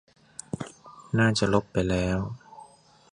น่าจะลบไปแล้ว